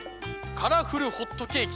カラフルホットケーキとは。